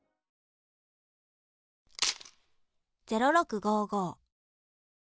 「０６５５」。